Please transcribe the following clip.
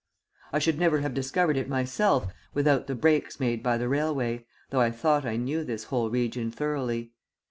I should never have discovered it myself, without the breaks made by the railway, though I thought I knew this whole region thoroughly.